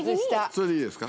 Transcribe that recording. それでいいですか？